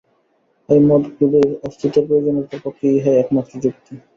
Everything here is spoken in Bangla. এই মতগুলির অস্তিত্বের প্রয়োজনীয়তার পক্ষে ইহাই একমাত্র যুক্তি।